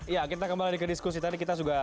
ya kita kembali ke diskusi tadi kita sudah